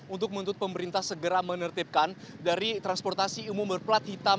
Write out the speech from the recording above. untuk menuntut pemerintah segera menertibkan dari transportasi umum berplat hitam